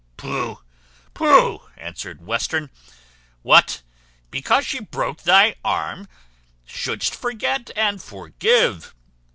"Pooh! pooh!" answered Western; "what! because she broke thy arm? Shouldst forget and forgive.